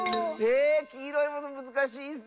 えきいろいものむずかしいッス！